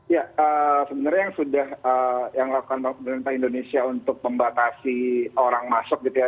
ya sebenarnya yang sudah yang lakukan pemerintah indonesia untuk membatasi orang masuk gitu ya